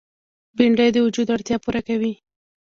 بېنډۍ د وجود اړتیا پوره کوي